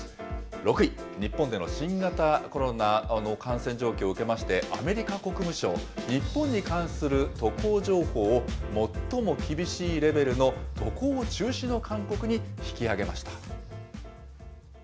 ６位、日本での新型コロナの感染状況を受けまして、アメリカ国務省、日本に関する渡航情報を最も厳しいレベルの渡航中止の勧告に引き上げました。